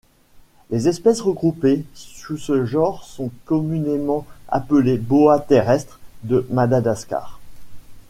Les espèces regroupées sous ce genre sont communément appelées Boa terrestre de Madagascar.